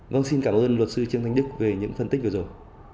vâng xin cảm ơn luật sư trương thanh đức về những phân tích vừa rồi